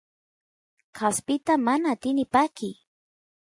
kaspita mana atini pakiy